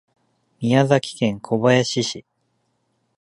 宮崎県小林市